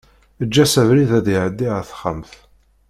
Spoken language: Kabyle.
Eǧǧ-as abrid ad iɛeddi ar texxamt.